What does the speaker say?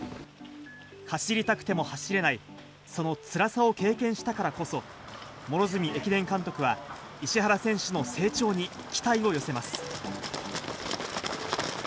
走りたくても走れない、そのつらさを経験したからこそ、両角駅伝監督は、石原選手の成長に期待を寄せます。